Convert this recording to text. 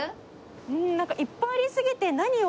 なんかいっぱいありすぎて何を。